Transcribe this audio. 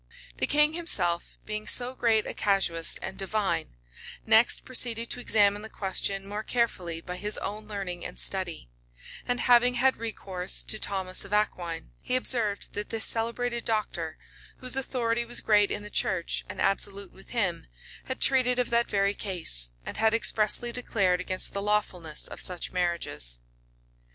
The king himself, being so great a casuist and divine, next proceeded to examine the question more carefully by his own learning and study; and having had recourse to Thomas of Aquine, he observed that this celebrated doctor, whose authority was great in the church, and absolute with him, had treated of that very case, and had expressly declared against the lawfulness of such marriages.[*] * Burnet. Fiddes.